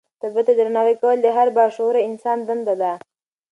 طبیعت ته درناوی کول د هر با شعوره انسان دنده ده.